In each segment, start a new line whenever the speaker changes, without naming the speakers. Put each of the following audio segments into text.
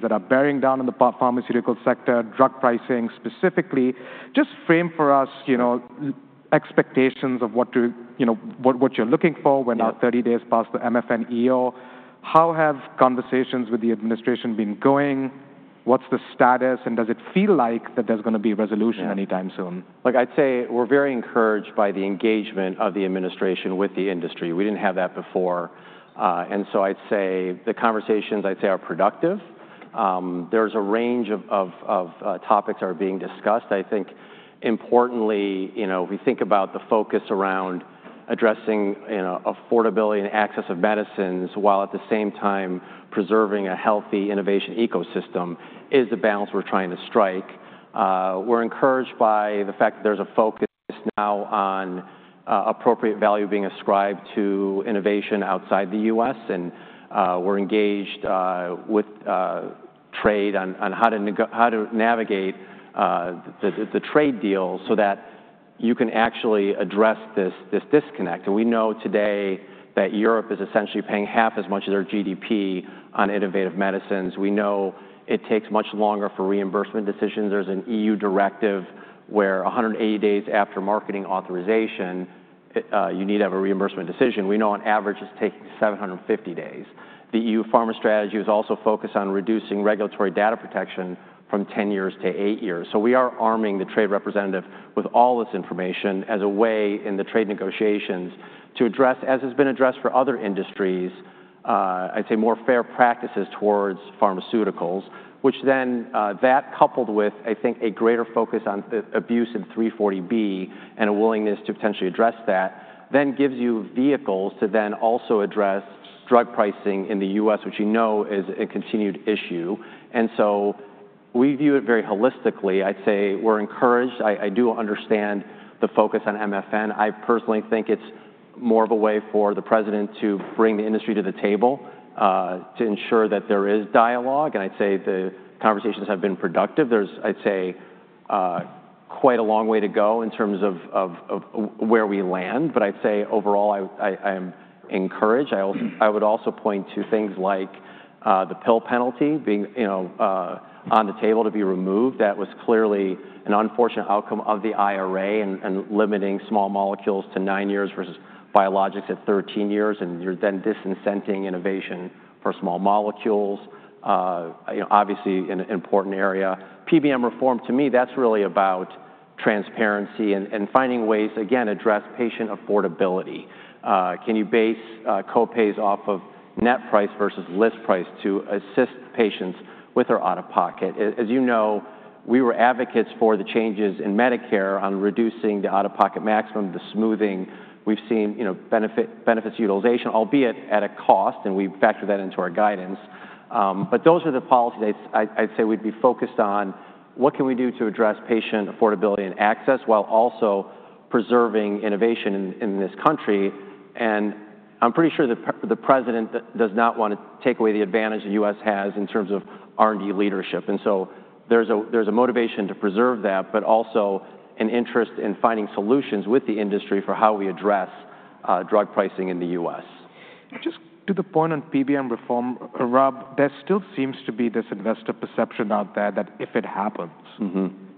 That are bearing down on the pharmaceutical sector, drug pricing specifically. Just frame for us, you know, expectations of what to, you know, what you're looking for when now 30 days past the MF&EO. How have conversations with the administration been going? What's the status, and does it feel like that there's going to be a resolution anytime soon?
Look, I'd say we're very encouraged by the engagement of the administration with the industry. We didn't have that before. I'd say the conversations, I'd say, are productive. There's a range of topics that are being discussed. I think, importantly, you know, if we think about the focus around addressing, you know, affordability and access of medicines, while at the same time preserving a healthy innovation ecosystem, is the balance we're trying to strike. We're encouraged by the fact that there's a focus now on appropriate value being ascribed to innovation outside the U.S., and we're engaged with trade on how to navigate the trade deal so that you can actually address this disconnect. We know today that Europe is essentially paying half as much of their GDP on innovative medicines. We know it takes much longer for reimbursement decisions. There's an EU directive where 180 days after marketing authorization, you need to have a reimbursement decision. We know on average it's taking 750 days. The EU Pharma Strategy is also focused on reducing regulatory data protection from 10 years to 8 years. We are arming the trade representative with all this information as a way in the trade negotiations to address, as has been addressed for other industries, I'd say, more fair practices towards pharmaceuticals, which then that coupled with, I think, a greater focus on abuse in 340B and a willingness to potentially address that, then gives you vehicles to then also address drug pricing in the U.S., which you know is a continued issue. We view it very holistically. I'd say we're encouraged. I do understand the focus on MF&EO. I personally think it's more of a way for the president to bring the industry to the table to ensure that there is dialogue. I'd say the conversations have been productive. There's quite a long way to go in terms of where we land. I'd say overall, I am encouraged. I would also point to things like the pill penalty being, you know, on the table to be removed. That was clearly an unfortunate outcome of the IRA and limiting small molecules to nine years versus biologics at 13 years, and you're then disincenting innovation for small molecules. You know, obviously an important area. PBM reform, to me, that's really about transparency and finding ways, again, to address patient affordability. Can you base copays off of net price versus list price to assist patients with their out-of-pocket? As you know, we were advocates for the changes in Medicare on reducing the out-of-pocket maximum, the smoothing. We've seen, you know, benefits utilization, albeit at a cost, and we factor that into our guidance. Those are the policies I'd say we'd be focused on. What can we do to address patient affordability and access while also preserving innovation in this country? I'm pretty sure the president does not want to take away the advantage the U.S. has in terms of R&D leadership. There is a motivation to preserve that, but also an interest in finding solutions with the industry for how we address drug pricing in the U.S. Just to the point on PBM reform, Rob, there still seems to be this investor perception out there that if it happens,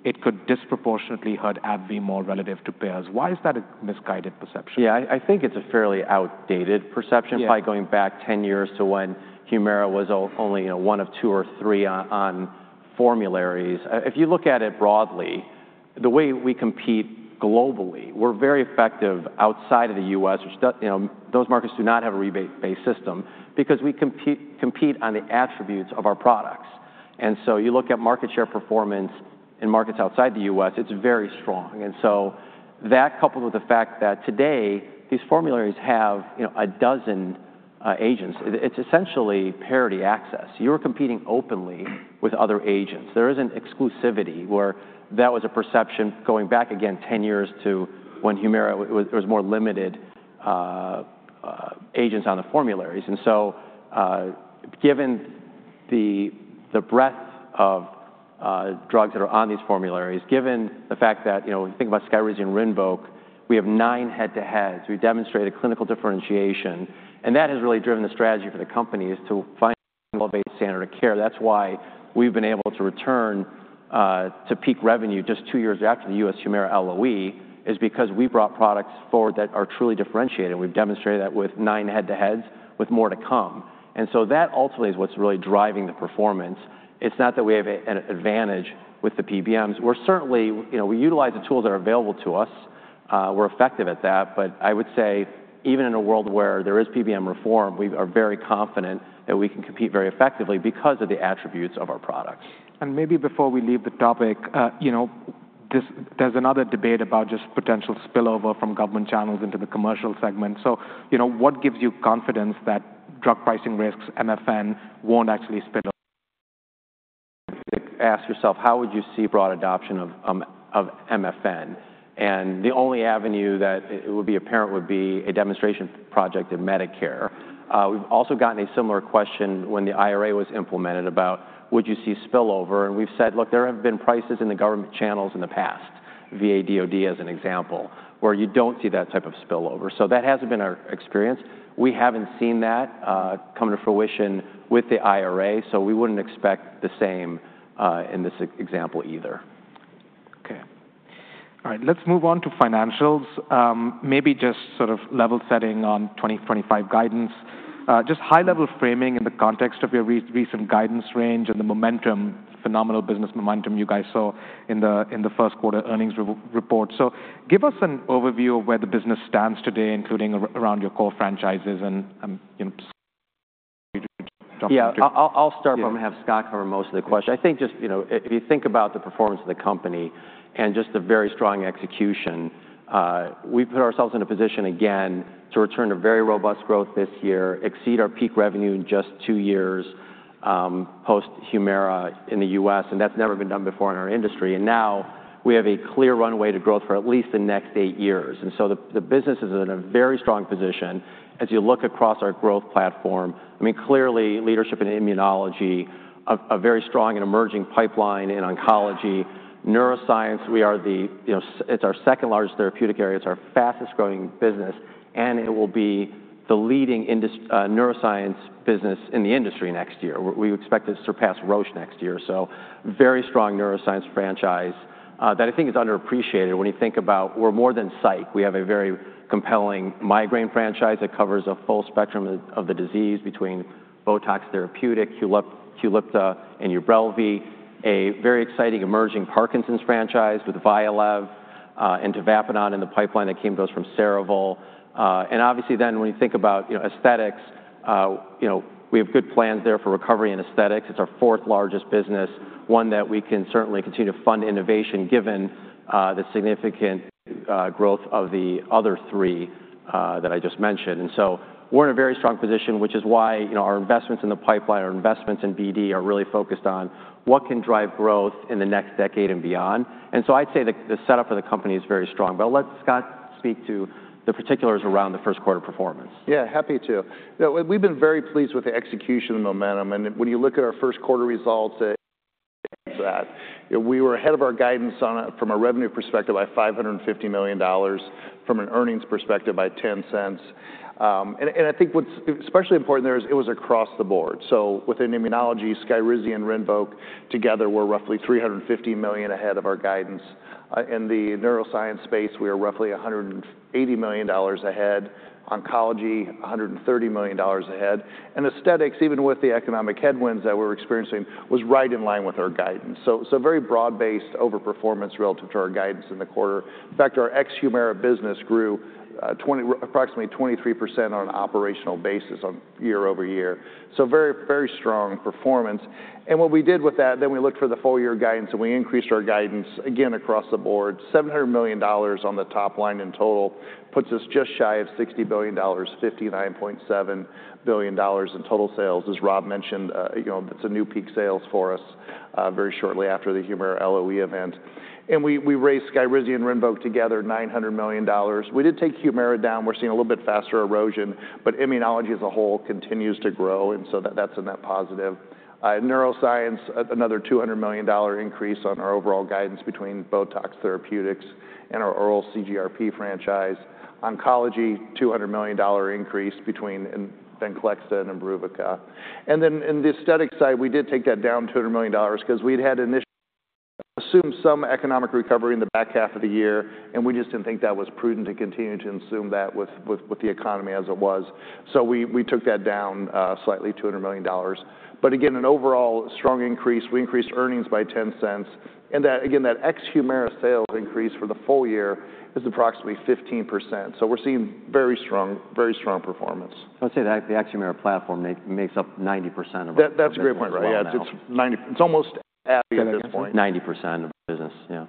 it could disproportionately hurt AbbVie more relative to payers. Why is that a misguided perception? Yeah, I think it's a fairly outdated perception by going back 10 years to when Humira was only, you know, one of two or three on formularies. If you look at it broadly, the way we compete globally, we're very effective outside of the U.S., which, you know, those markets do not have a rebate-based system because we compete on the attributes of our products. You look at market share performance in markets outside the U.S., it's very strong. That, coupled with the fact that today these formularies have, you know, a dozen agents, it's essentially parity access. You're competing openly with other agents. There isn't exclusivity where that was a perception going back, again, 10 years to when Humira, there was more limited agents on the formularies. Given the breadth of drugs that are on these formularies, given the fact that, you know, we think about Skyrizi and Rinvoq, we have nine head-to-heads. We demonstrate a clinical differentiation. That has really driven the strategy for the companies to find an elevated standard of care. That is why we have been able to return to peak revenue just two years after the U.S. Humira LOE is because we brought products forward that are truly differentiated. We have demonstrated that with nine head-to-heads with more to come. That ultimately is what is really driving the performance. It is not that we have an advantage with the PBMs. We are certainly, you know, we utilize the tools that are available to us. We are effective at that. I would say even in a world where there is PBM reform, we are very confident that we can compete very effectively because of the attributes of our products. Maybe before we leave the topic, you know, there's another debate about just potential spillover from government channels into the commercial segment. You know, what gives you confidence that drug pricing risks, MF&EO, won't actually spill over? Ask yourself, how would you see broad adoption of MF&EO? The only avenue that would be apparent would be a demonstration project in Medicare. We've also gotten a similar question when the IRA was implemented about would you see spillover. We've said, look, there have been prices in the government channels in the past, VA, DOD as an example, where you do not see that type of spillover. That has not been our experience. We have not seen that come to fruition with the IRA, so we would not expect the same in this example either. Okay. All right. Let's move on to financials. Maybe just sort of level setting on 2025 guidance. Just high-level framing in the context of your recent guidance range and the momentum, phenomenal business momentum you guys saw in the first quarter earnings report. Give us an overview of where the business stands today, including around your core franchises and, you know, documentation. Yeah, I'll start by having Scott cover most of the question. I think just, you know, if you think about the performance of the company and just the very strong execution, we've put ourselves in a position again to return to very robust growth this year, exceed our peak revenue in just two years post-Humira in the U.S., and that's never been done before in our industry. Now we have a clear runway to growth for at least the next eight years. The business is in a very strong position. As you look across our growth platform, I mean, clearly leadership in immunology, a very strong and emerging pipeline in oncology, neuroscience, we are the, you know, it's our second largest therapeutic area. It's our fastest growing business, and it will be the leading neuroscience business in the industry next year. We expect to surpass Roche next year. Very strong neuroscience franchise that I think is underappreciated when you think about we're more than psych. We have a very compelling migraine franchise that covers a full spectrum of the disease between Botox therapeutic, Qulipta, and Ubrelvy, a very exciting emerging Parkinson's franchise with Vyalev and Tavapadon in the pipeline that came to us from Cerevel. Obviously then when you think about, you know, aesthetics, you know, we have good plans there for recovery and aesthetics. It's our fourth largest business, one that we can certainly continue to fund innovation given the significant growth of the other three that I just mentioned. We're in a very strong position, which is why, you know, our investments in the pipeline, our investments in BD are really focused on what can drive growth in the next decade and beyond. I would say the setup for the company is very strong. I'll let Scott speak to the particulars around the first quarter performance.
Yeah, happy to. We've been very pleased with the execution and momentum. When you look at our first quarter results, we were ahead of our guidance from a revenue perspective by $550 million, from an earnings perspective by $0.10. I think what's especially important there is it was across the board. Within immunology, Skyrizi and Rinvoq together were roughly $350 million ahead of our guidance. In the neuroscience space, we are roughly $180 million ahead, oncology $130 million ahead. Aesthetics, even with the economic headwinds that we're experiencing, was right in line with our guidance. Very broad-based overperformance relative to our guidance in the quarter. In fact, our ex-Humira business grew approximately 23% on an operational basis year over year. Very, very strong performance. What we did with that, then we looked for the full year guidance and we increased our guidance again across the board. $700 million on the top line in total puts us just shy of $60 billion, $59.7 billion in total sales, as Rob mentioned. You know, that's a new peak sales for us very shortly after the Humira LOE event. We raised Skyrizi and Rinvoq together $900 million. We did take Humira down. We're seeing a little bit faster erosion, but immunology as a whole continues to grow. That is in that positive. Neuroscience, another $200 million increase on our overall guidance between Botox therapeutics and our oral CGRP franchise. Oncology, $200 million increase between Venclexta and Imbruvica. Then in the aesthetic side, we did take that down $200 million because we had initially assumed some economic recovery in the back half of the year, and we just did not think that was prudent to continue to consume that with the economy as it was. We took that down slightly, $200 million. Again, an overall strong increase. We increased earnings by $0.10. That ex-Humira sales increase for the full year is approximately 15%. We are seeing very strong, very strong performance.
I would say the ex-Humira platform makes up 90% of our business.
That's a great point. Yeah, it's almost at the end of the point.
90% of our business, yeah.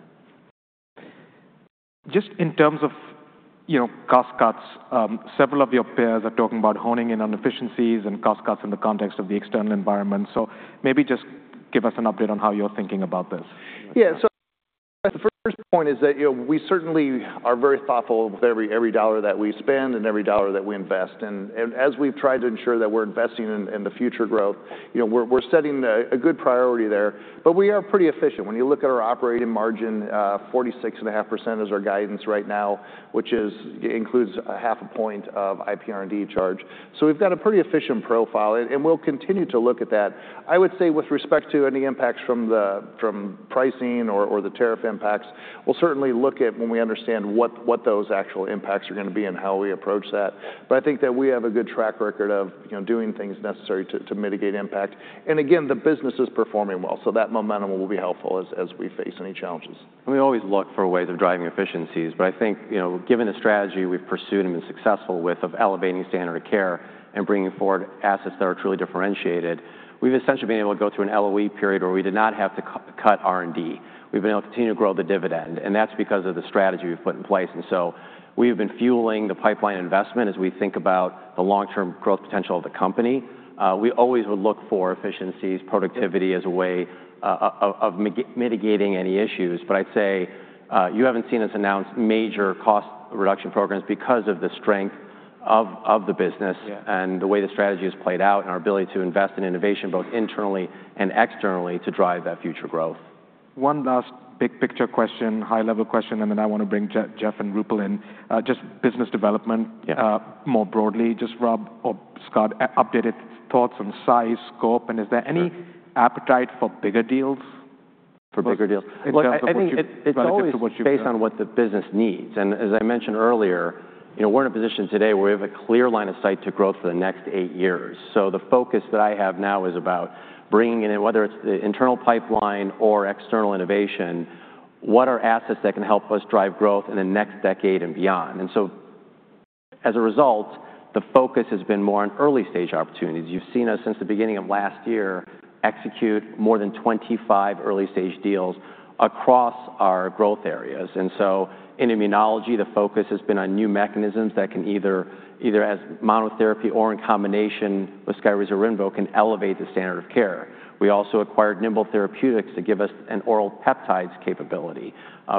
Just in terms of, you know, cost cuts, several of your peers are talking about honing in on efficiencies and cost cuts in the context of the external environment. Maybe just give us an update on how you're thinking about this.
Yeah, so the first point is that, you know, we certainly are very thoughtful with every dollar that we spend and every dollar that we invest. And as we've tried to ensure that we're investing in the future growth, you know, we're setting a good priority there. But we are pretty efficient. When you look at our operating margin, 46.5% is our guidance right now, which includes a half a point of IPR&D charge. So we've got a pretty efficient profile, and we'll continue to look at that. I would say with respect to any impacts from the pricing or the tariff impacts, we'll certainly look at when we understand what those actual impacts are going to be and how we approach that. But I think that we have a good track record of, you know, doing things necessary to mitigate impact. And again, the business is performing well. That momentum will be helpful as we face any challenges.
We always look for ways of driving efficiencies. I think, you know, given the strategy we've pursued and been successful with of elevating standard of care and bringing forward assets that are truly differentiated, we've essentially been able to go through an LOE period where we did not have to cut R&D. We've been able to continue to grow the dividend. That's because of the strategy we've put in place. We've been fueling the pipeline investment as we think about the long-term growth potential of the company. We always would look for efficiencies, productivity as a way of mitigating any issues. I'd say you haven't seen us announce major cost reduction programs because of the strength of the business and the way the strategy has played out and our ability to invest in innovation both internally and externally to drive that future growth. One last big picture question, high-level question, and then I want to bring Jeff and Roopal in. Just business development more broadly. Just Rob or Scott, updated thoughts on size, scope, and is there any appetite for bigger deals? For bigger deals. It is always based on what the business needs. As I mentioned earlier, you know, we are in a position today where we have a clear line of sight to growth for the next eight years. The focus that I have now is about bringing in, whether it is the internal pipeline or external innovation, what are assets that can help us drive growth in the next decade and beyond. As a result, the focus has been more on early-stage opportunities. You have seen us since the beginning of last year execute more than 25 early-stage deals across our growth areas. In immunology, the focus has been on new mechanisms that can either as monotherapy or in combination with Skyrizi or Rinvoq elevate the standard of care. We also acquired Nimble Therapeutics to give us an oral peptides capability.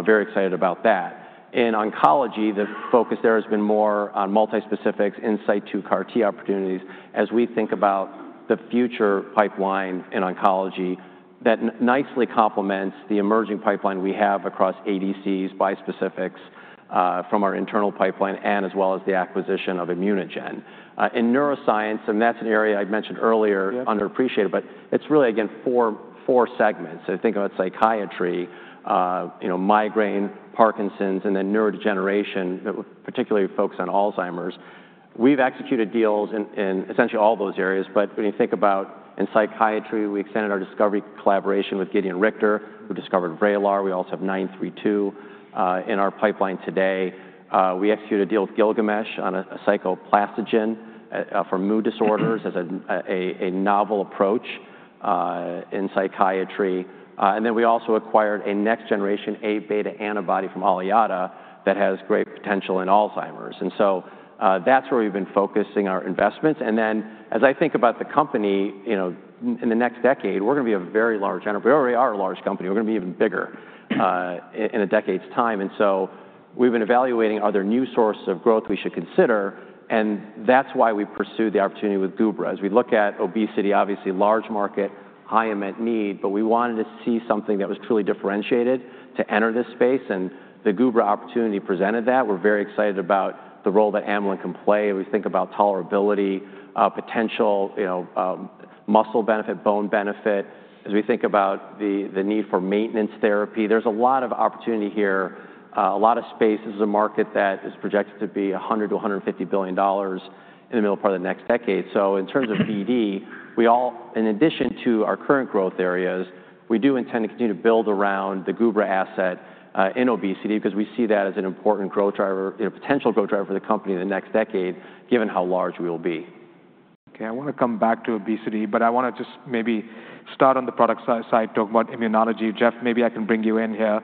Very excited about that. In oncology, the focus there has been more on multi-specifics, in-site to CAR-T opportunities as we think about the future pipeline in oncology that nicely complements the emerging pipeline we have across ADCs, bispecifics from our internal pipeline, as well as the acquisition of ImmunoGen. In neuroscience, and that's an area I mentioned earlier, underappreciated, but it's really, again, four segments. Think about psychiatry, you know, migraine, Parkinson's, and then neurodegeneration, particularly focus on Alzheimer's. We've executed deals in essentially all those areas. When you think about in psychiatry, we extended our discovery collaboration with Gideon Richter, who discovered Vraylar. We also have 932 in our pipeline today. We executed a deal with Gilgamesh on a psychoplastogen for mood disorders as a novel approach in psychiatry. We also acquired a next-generation A-beta antibody from Alector that has great potential in Alzheimer's. That is where we have been focusing our investments. As I think about the company, you know, in the next decade, we are going to be a very large enterprise. We already are a large company. We are going to be even bigger in a decade's time. We have been evaluating whether there are new sources of growth we should consider. That is why we pursued the opportunity with Gubra. As we look at obesity, obviously large market, high unmet need, but we wanted to see something that was truly differentiated to enter this space. The Gubra opportunity presented that. We are very excited about the role that Amlan can play. We think about tolerability, potential, you know, muscle benefit, bone benefit. As we think about the need for maintenance therapy, there is a lot of opportunity here, a lot of space. This is a market that is projected to be $100 billion-$150 billion in the middle part of the next decade. In terms of BD, we all, in addition to our current growth areas, we do intend to continue to build around the Gubra asset in obesity because we see that as an important growth driver, you know, potential growth driver for the company in the next decade, given how large we will be. Okay, I want to come back to obesity, but I want to just maybe start on the product side, talk about immunology. Jeff, maybe I can bring you in here.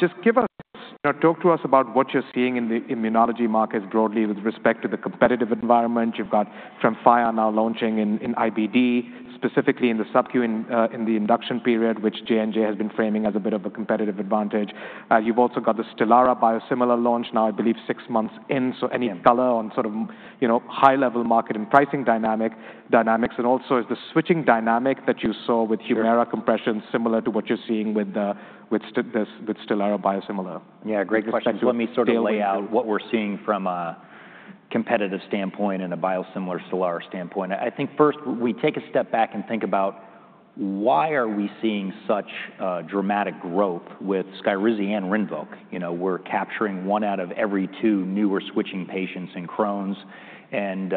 Just give us, you know, talk to us about what you're seeing in the immunology markets broadly with respect to the competitive environment. You've got Tremfya now launching in IBD, specifically in the subQ in the induction period, which J&J has been framing as a bit of a competitive advantage. You've also got the Stelara biosimilar launch now, I believe, six months in. Any color on sort of, you know, high-level market and pricing dynamics, and also is the switching dynamic that you saw with Humira compression similar to what you're seeing with Stelara biosimilar?
Yeah, great question. Let me sort of lay out what we're seeing from a competitive standpoint and a biosimilar Stelara standpoint. I think first we take a step back and think about why are we seeing such dramatic growth with Skyrizi and Rinvoq. You know, we're capturing one out of every two newer switching patients in Crohn's and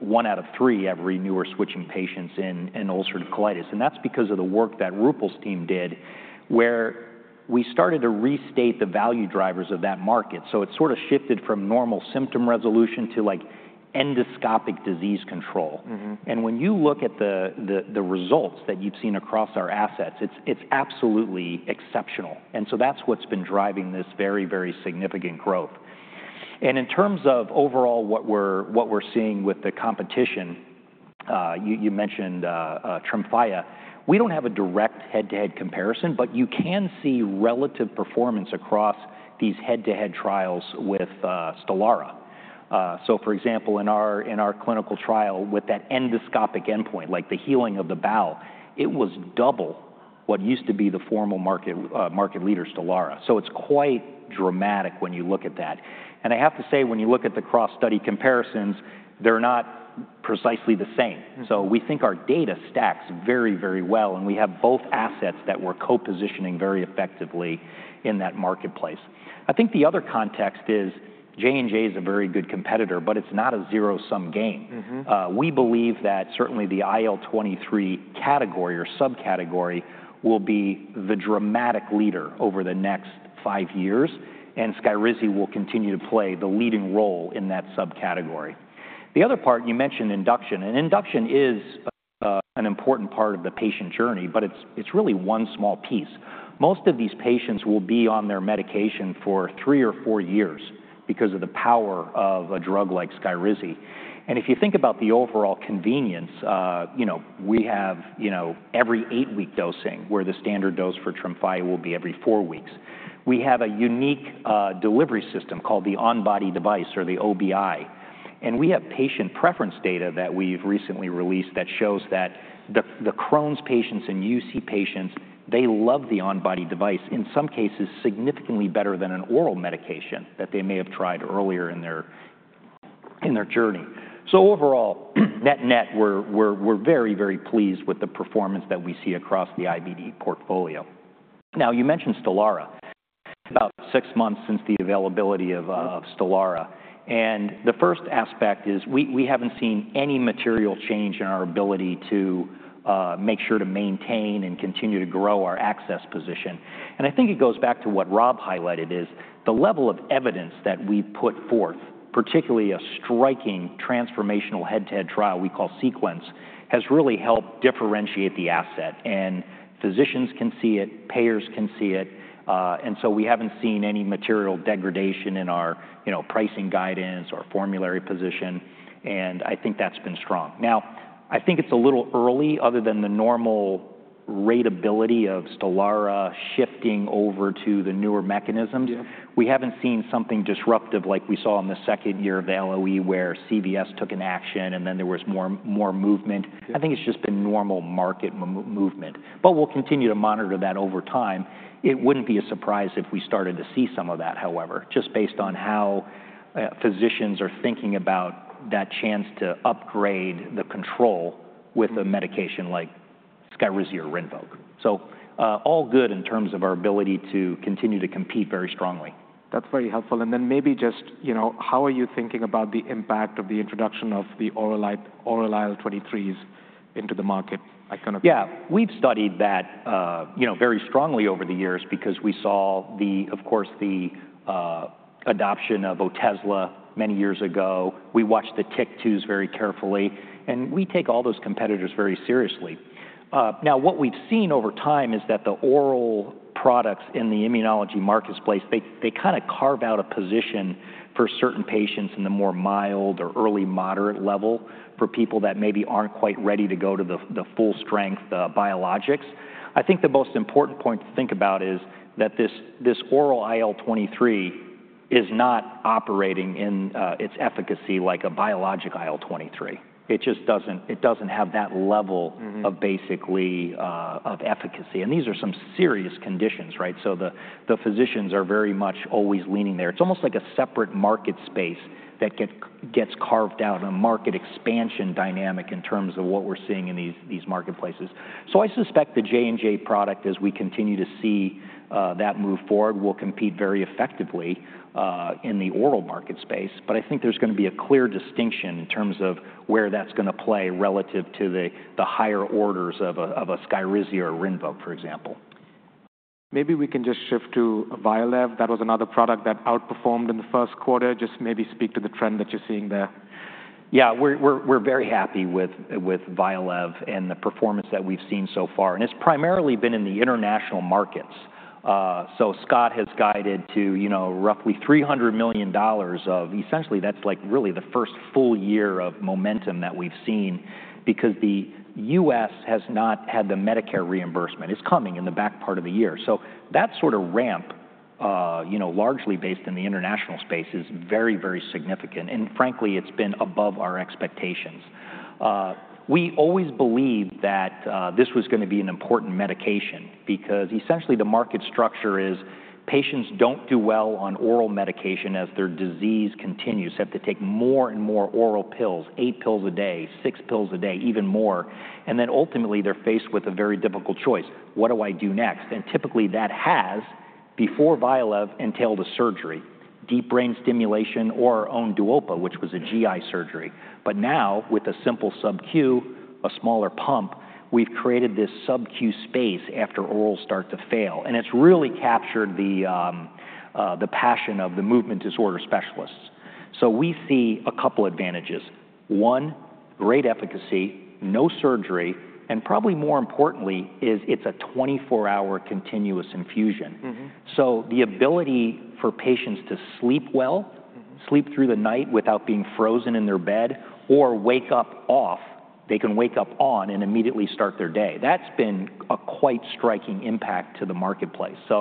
one out of every three newer switching patients in ulcerative colitis. That's because of the work that Roopal's team did, where we started to restate the value drivers of that market. It sort of shifted from normal symptom resolution to endoscopic disease control. When you look at the results that you've seen across our assets, it's absolutely exceptional. That's what's been driving this very, very significant growth. In terms of overall what we're seeing with the competition, you mentioned Tremfya, we don't have a direct head-to-head comparison, but you can see relative performance across these head-to-head trials with Stelara. For example, in our clinical trial with that endoscopic endpoint, like the healing of the bowel, it was double what used to be the formal market leader, Stelara. It is quite dramatic when you look at that. I have to say, when you look at the cross-study comparisons, they're not precisely the same. We think our data stacks very, very well, and we have both assets that we're co-positioning very effectively in that marketplace. I think the other context is J&J is a very good competitor, but it's not a zero-sum game. We believe that certainly the IL-23 category or subcategory will be the dramatic leader over the next five years, and Skyrizi will continue to play the leading role in that subcategory. The other part, you mentioned induction, and induction is an important part of the patient journey, but it's really one small piece. Most of these patients will be on their medication for three or four years because of the power of a drug like Skyrizi. If you think about the overall convenience, you know, we have, you know, every eight-week dosing, where the standard dose for Tremfya will be every four weeks. We have a unique delivery system called the OnBody Device or the OBI. We have patient preference data that we've recently released that shows that the Crohn's patients and UC patients, they love the OnBody Device, in some cases significantly better than an oral medication that they may have tried earlier in their journey. Overall, net net, we're very, very pleased with the performance that we see across the IBD portfolio. You mentioned Stelara. It's about six months since the availability of Stelara. The first aspect is we haven't seen any material change in our ability to make sure to maintain and continue to grow our access position. I think it goes back to what Rob highlighted is the level of evidence that we put forth, particularly a striking transformational head-to-head trial we call Sequence, has really helped differentiate the asset. Physicians can see it, payers can see it. We have not seen any material degradation in our, you know, pricing guidance or formulary position. I think that has been strong. I think it is a little early, other than the normal rateability of Stelara shifting over to the newer mechanisms. We have not seen something disruptive like we saw in the second year of the LOE where CVS took an action and then there was more movement. I think it has just been normal market movement. We will continue to monitor that over time. It would not be a surprise if we started to see some of that, however, just based on how physicians are thinking about that chance to upgrade the control with a medication like Skyrizi or Rinvoq. All good in terms of our ability to continue to compete very strongly. That's very helpful. And then maybe just, you know, how are you thinking about the impact of the introduction of the oral IL-23s into the market? Yeah, we've studied that, you know, very strongly over the years because we saw the, of course, the adoption of Otezla many years ago. We watched the Tick 2s very carefully, and we take all those competitors very seriously. Now, what we've seen over time is that the oral products in the immunology marketplace, they kind of carve out a position for certain patients in the more mild or early moderate level for people that maybe aren't quite ready to go to the full strength biologics. I think the most important point to think about is that this oral IL-23 is not operating in its efficacy like a biologic IL-23. It just doesn't have that level of basically of efficacy. And these are some serious conditions, right? So the physicians are very much always leaning there. It's almost like a separate market space that gets carved out in a market expansion dynamic in terms of what we're seeing in these marketplaces. I suspect the J&J product, as we continue to see that move forward, will compete very effectively in the oral market space. I think there's going to be a clear distinction in terms of where that's going to play relative to the higher orders of a Skyrizi or Rinvoq, for example. Maybe we can just shift to Violev. That was another product that outperformed in the first quarter. Just maybe speak to the trend that you're seeing there. Yeah, we're very happy with Vyalev and the performance that we've seen so far. It's primarily been in the international markets. Scott has guided to, you know, roughly $300 million of essentially that's like really the first full year of momentum that we've seen because the U.S. has not had the Medicare reimbursement. It's coming in the back part of the year. That sort of ramp, you know, largely based in the international space, is very, very significant. Frankly, it's been above our expectations. We always believed that this was going to be an important medication because essentially the market structure is patients don't do well on oral medication as their disease continues. They have to take more and more oral pills, eight pills a day, six pills a day, even more. Ultimately, they're faced with a very difficult choice. What do I do next? That has, before Vyalev, entailed a surgery, deep brain stimulation or our own Duopa, which was a GI surgery. Now with a simple subQ, a smaller pump, we've created this subQ space after orals start to fail. It has really captured the passion of the movement disorder specialists. We see a couple of advantages. One, great efficacy, no surgery, and probably more importantly, it is a 24-hour continuous infusion. The ability for patients to sleep well, sleep through the night without being frozen in their bed or wake up off, they can wake up on and immediately start their day. That has been a quite striking impact to the marketplace. We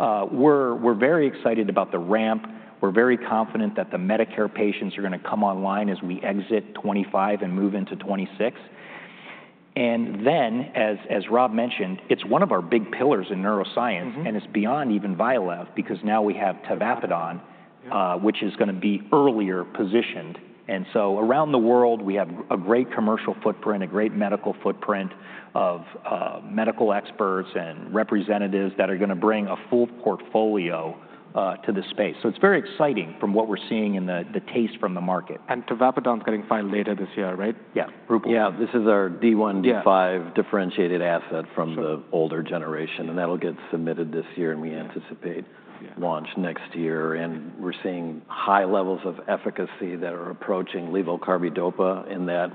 are very excited about the ramp. We are very confident that the Medicare patients are going to come online as we exit 2025 and move into 2026. As Rob mentioned, it is one of our big pillars in neuroscience, and it is beyond even Violev because now we have Tavapadon, which is going to be earlier positioned. Around the world, we have a great commercial footprint, a great medical footprint of medical experts and representatives that are going to bring a full portfolio to the space. It is very exciting from what we are seeing in the taste from the market. Tavapadon's getting filed later this year, right? Yeah. Rupal?
Yeah, this is our D1, D5 differentiated asset from the older generation. That'll get submitted this year, and we anticipate launch next year. We're seeing high levels of efficacy that are approaching levodopa/carbidopa in that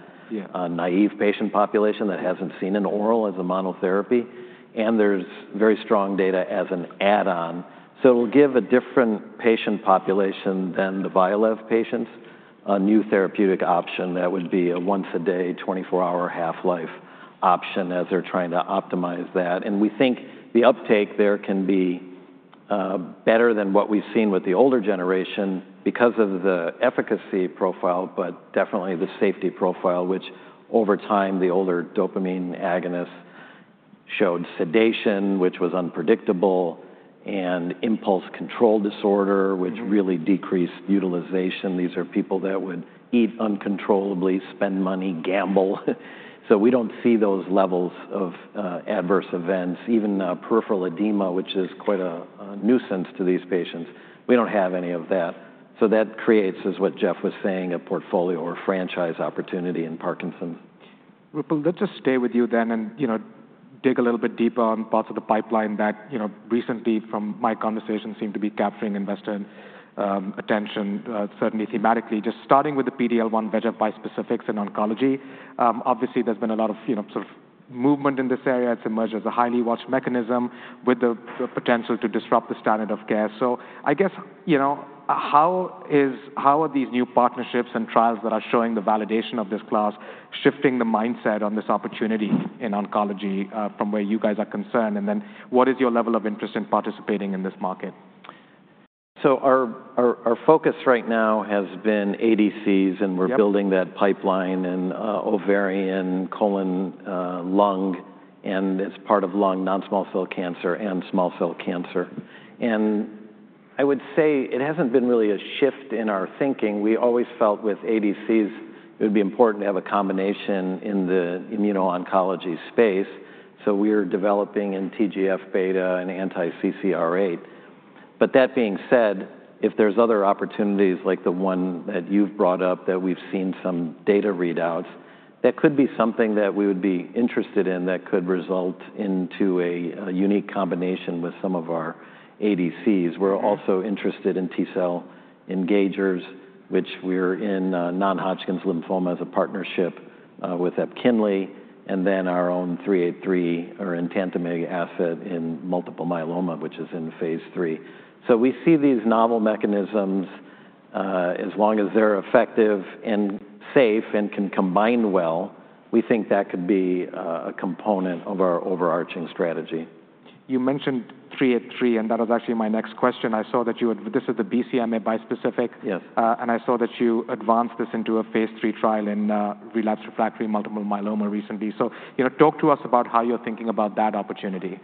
naive patient population that hasn't seen an oral as a monotherapy. There's very strong data as an add-on. It will give a different patient population than the Vyalev patients a new therapeutic option that would be a once-a-day, 24-hour half-life option as they're trying to optimize that. We think the uptake there can be better than what we've seen with the older generation because of the efficacy profile, but definitely the safety profile, which over time the older dopamine agonists showed sedation, which was unpredictable, and impulse control disorder, which really decreased utilization. These are people that would eat uncontrollably, spend money, gamble. We do not see those levels of adverse events, even peripheral edema, which is quite a nuisance to these patients. We do not have any of that. That creates, as what Jeff was saying, a portfolio or franchise opportunity in Parkinson's. Rupal, let's just stay with you then and, you know, dig a little bit deeper on parts of the pipeline that, you know, recently from my conversation seem to be capturing investor attention, certainly thematically. Just starting with the PD-L1 VEGF bispecifics in oncology, obviously there's been a lot of, you know, sort of movement in this area. It's emerged as a highly watched mechanism with the potential to disrupt the standard of care. I guess, you know, how are these new partnerships and trials that are showing the validation of this class shifting the mindset on this opportunity in oncology from where you guys are concerned? What is your level of interest in participating in this market? Our focus right now has been ADCs, and we're building that pipeline in ovarian, colon, lung, and it's part of lung, non-small cell cancer and small cell cancer. I would say it hasn't been really a shift in our thinking. We always felt with ADCs it would be important to have a combination in the immuno-oncology space. We're developing in TGF beta and anti-CCR8. That being said, if there's other opportunities like the one that you've brought up that we've seen some data readouts, that could be something that we would be interested in that could result into a unique combination with some of our ADCs. We're also interested in T-cell engagers, which we're in non-Hodgkin's lymphoma as a partnership with Epkinly, and then our own 383 or intantamide asset in multiple myeloma, which is in phase three. We see these novel mechanisms as long as they're effective and safe and can combine well, we think that could be a component of our overarching strategy. You mentioned 383, and that was actually my next question. I saw that you had, this is the BCMA bispecific. Yes. I saw that you advanced this into a phase three trial in relapsed refractory multiple myeloma recently. You know, talk to us about how you're thinking about that opportunity.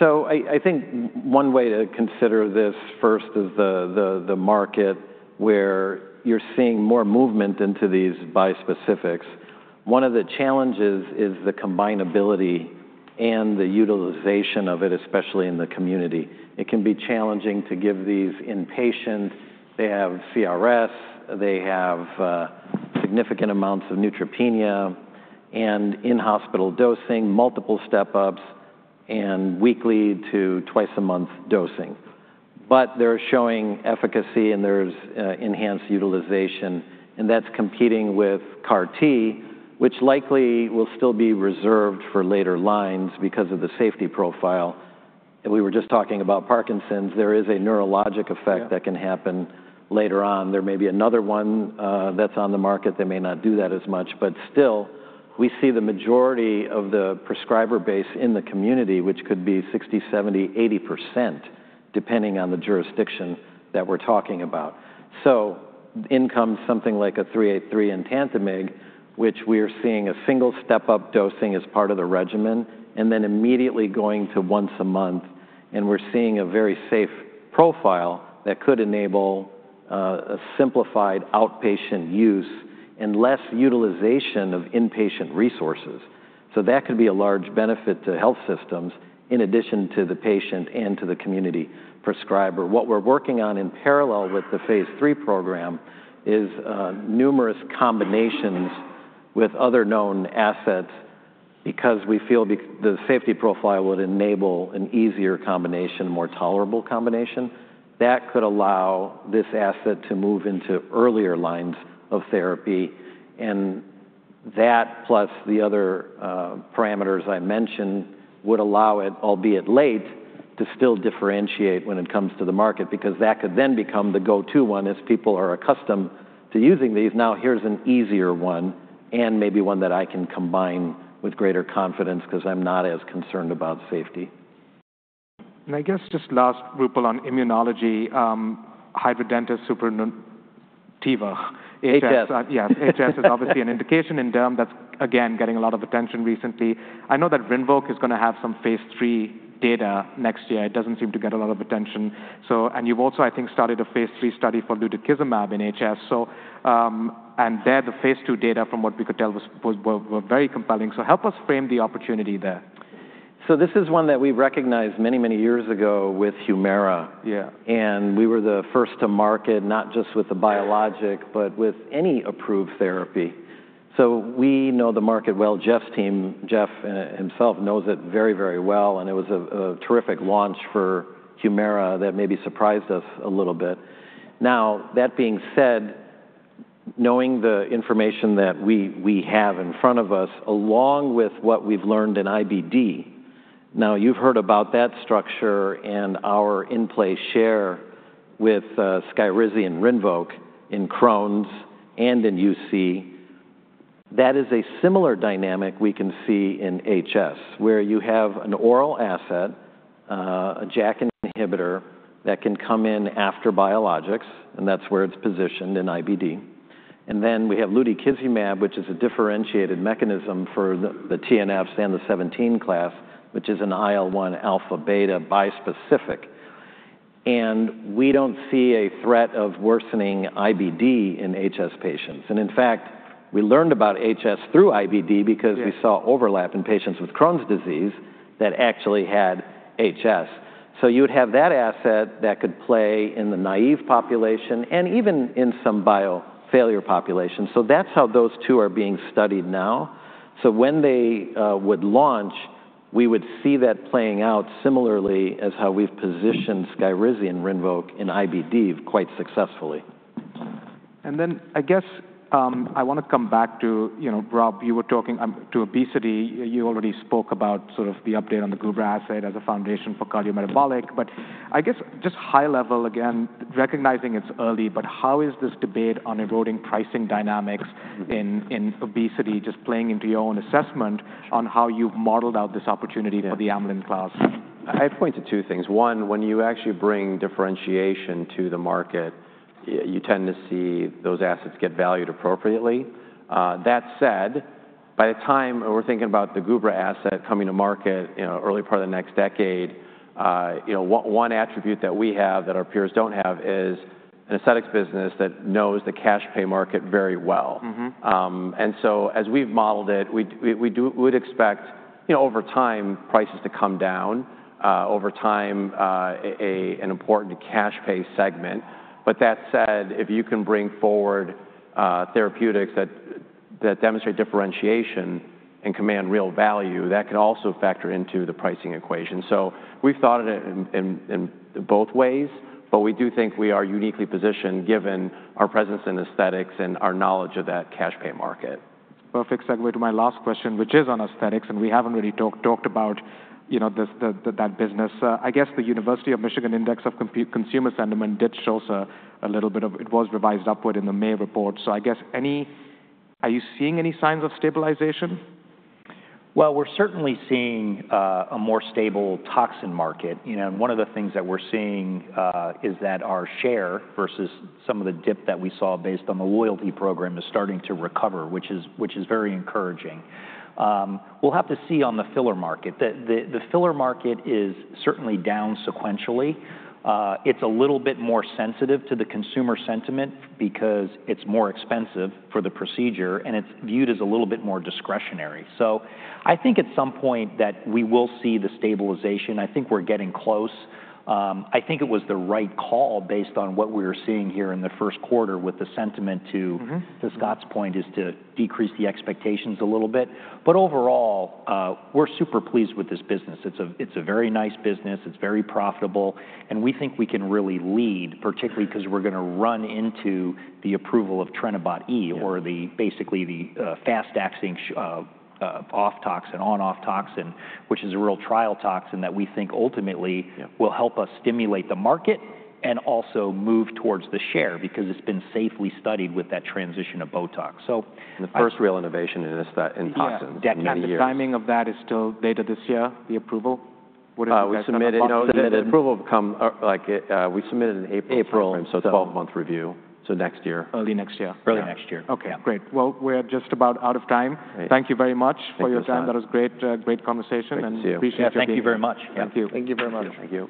I think one way to consider this first is the market where you're seeing more movement into these bispecifics. One of the challenges is the combinability and the utilization of it, especially in the community. It can be challenging to give these inpatient. They have CRS, they have significant amounts of neutropenia, and in-hospital dosing, multiple step-ups, and weekly to twice-a-month dosing. They are showing efficacy, and there's enhanced utilization, and that's competing with CAR-T, which likely will still be reserved for later lines because of the safety profile. We were just talking about Parkinson's. There is a neurologic effect that can happen later on. There may be another one that's on the market. They may not do that as much. Still, we see the majority of the prescriber base in the community, which could be 60%, 70%, 80%, depending on the jurisdiction that we're talking about. In comes something like a 383 intantamide, which we are seeing a single step-up dosing as part of the regimen, and then immediately going to once a month. We are seeing a very safe profile that could enable a simplified outpatient use and less utilization of inpatient resources. That could be a large benefit to health systems in addition to the patient and to the community prescriber. What we are working on in parallel with the phase three program is numerous combinations with other known assets because we feel the safety profile would enable an easier combination, more tolerable combination. That could allow this asset to move into earlier lines of therapy. That, plus the other parameters I mentioned, would allow it, albeit late, to still differentiate when it comes to the market because that could then become the go-to one as people are accustomed to using these. Now, here's an easier one and maybe one that I can combine with greater confidence because I'm not as concerned about safety. I guess just last, Roopal, on immunology, hidradenitis suppurativa. HS. Yes, HS is obviously an indication in Derm that's, again, getting a lot of attention recently. I know that Rinvoq is going to have some phase three data next year. It doesn't seem to get a lot of attention. You've also, I think, started a phase three study for lutechizumab in HS. There the phase two data from what we could tell was very compelling. Help us frame the opportunity there. This is one that we recognized many, many years ago with Humira. Yeah. We were the first to market not just with the biologic, but with any approved therapy. We know the market well. Jeff's team, Jeff himself knows it very, very well. It was a terrific launch for Humira that maybe surprised us a little bit. That being said, knowing the information that we have in front of us, along with what we've learned in IBD, now you've heard about that structure and our in-place share with Skyrizi and Rinvoq in Crohn's and in UC, that is a similar dynamic we can see in HS where you have an oral asset, a JAK inhibitor that can come in after biologics, and that's where it's positioned in IBD. We have lutechizumab, which is a differentiated mechanism for the TNFs and the 17 class, which is an IL-1 alpha beta bispecific. We do not see a threat of worsening IBD in HS patients. In fact, we learned about HS through IBD because we saw overlap in patients with Crohn's disease that actually had HS. You would have that asset that could play in the naive population and even in some biofailure population. That is how those two are being studied now. When they would launch, we would see that playing out similarly as how we have positioned Skyrizi and Rinvoq in IBD quite successfully. I guess I want to come back to, you know, Rob, you were talking to obesity. You already spoke about sort of the update on the Gubra asset as a foundation for cardiometabolic. I guess just high level, again, recognizing it's early, but how is this debate on eroding pricing dynamics in obesity just playing into your own assessment on how you've modeled out this opportunity for the amylin class?
I'd point to two things. One, when you actually bring differentiation to the market, you tend to see those assets get valued appropriately. That said, by the time we're thinking about the Gubra asset coming to market, you know, early part of the next decade, you know, one attribute that we have that our peers don't have is an aesthetics business that knows the cash pay market very well. As we've modeled it, we would expect, you know, over time prices to come down, over time an important cash pay segment. That said, if you can bring forward therapeutics that demonstrate differentiation and command real value, that can also factor into the pricing equation. We've thought of it in both ways, but we do think we are uniquely positioned given our presence in aesthetics and our knowledge of that cash pay market. Perfect. Segue to my last question, which is on aesthetics, and we haven't really talked about, you know, that business. I guess the University of Michigan Index of Consumer Sentiment did show us a little bit of it was revised upward in the May report. So I guess any, are you seeing any signs of stabilization? We're certainly seeing a more stable toxin market. You know, one of the things that we're seeing is that our share versus some of the dip that we saw based on the loyalty program is starting to recover, which is very encouraging. We'll have to see on the filler market. The filler market is certainly down sequentially. It's a little bit more sensitive to the consumer sentiment because it's more expensive for the procedure, and it's viewed as a little bit more discretionary. I think at some point that we will see the stabilization. I think we're getting close. I think it was the right call based on what we were seeing here in the first quarter with the sentiment to, to Scott's point, is to decrease the expectations a little bit. Overall, we're super pleased with this business. It's a very nice business. It's very profitable. We think we can really lead, particularly because we're going to run into the approval of Trinavot E or basically the fast-acting off-tox and on-off toxin, which is a real trial toxin that we think ultimately will help us stimulate the market and also move towards the share because it's been safely studied with that transition of Botox. The first real innovation is that in toxins. Yes. Decades. The timing of that is still later this year, the approval? We submitted an approval like we submitted in April. April.
Twelve-month review. So next year. Early next year. Early next year. Okay. Great. We are just about out of time. Thank you very much for your time. That was great, great conversation. Thank you. Appreciate your data. Thank you very much. Thank you. Thank you very much. Thank you.